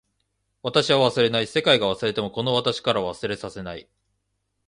私は忘れない。世界が忘れてもこの私からは忘れさせない。